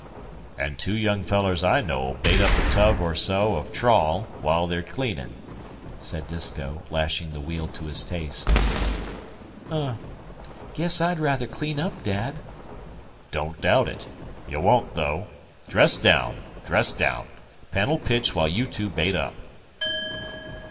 "An' two young fellers I know'll bait up a tub or so o' trawl, while they're cleanin'," said Disko, lashing the wheel to his taste. "Um! Guess I'd ruther clean up, Dad." "Don't doubt it. Ye wun't, though. Dress daown! Dress daown! Penn'll pitch while you two bait up."